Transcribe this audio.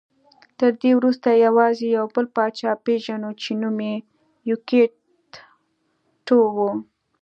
تر دې وروسته یوازې یو بل پاچا پېژنو چې نوم یې یوکیت ټو و